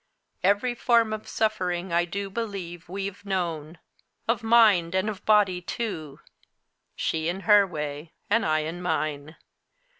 Every form of suffering I do believe we've known of mind and of body too she in her way, and I in mine.